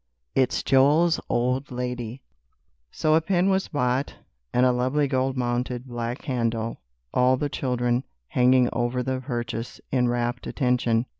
IV "IT'S JOEL'S OLD LADY" So a pen was bought, and a lovely gold mounted black handle, all the children hanging over the purchase in rapt attention.